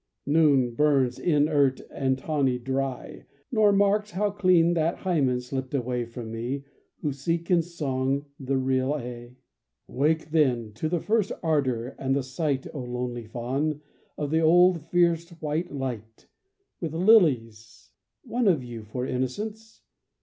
_ Noon burns inert and tawny dry, Nor marks how clean that Hymen slipped away From me who seek in song the real A. Wake, then, to the first ardour and the sight, O lonely faun, of the old fierce white light, With, lilies, one of you for innocence.